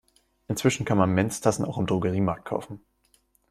Inzwischen kann man Menstassen auch im Drogeriemarkt kaufen.